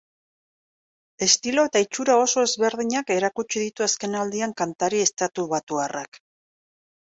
Estilo eta itxura oso ezberdinak erakutsi ditu azkenaldian kantari estatubatuarrak.